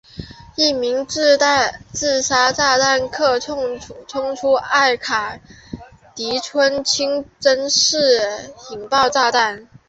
一名自杀炸弹客冲入了艾卡迪村清真寺引爆炸弹。